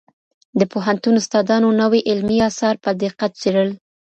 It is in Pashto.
د پوهنتون استادانو نوي علمي اثار په دقت څېړل.